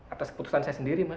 atas keputusan saya sendiri